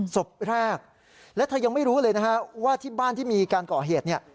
ศพแรกและเธอยังไม่รู้เลยว่าที่บ้านที่มีการเกาะเหตุ